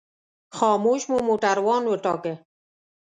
خاموش مو موټروان وټاکه.